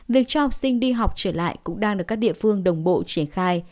việc cho học sinh đi học trở lại cũng đang được các địa phương đồng bộ triển khai